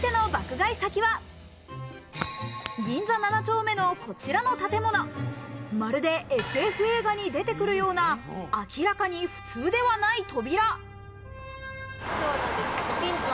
買い先は銀座７丁目のこちらの建物、まるでＳＦ映画に出てくるような明らかに普通ではない扉。